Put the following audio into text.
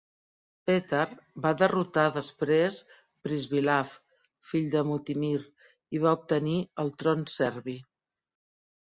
Petar va derrotar després Pribislav, fill de Mutimir, i va obtenir el tron serbi.